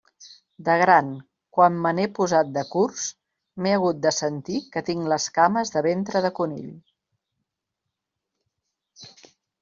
De gran, quan me n'he posat de curts, m'he hagut de sentir que tinc les cames de ventre de conill.